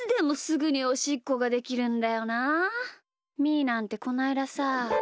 ーなんてこないださ。